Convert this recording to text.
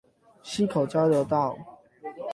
溪口交流道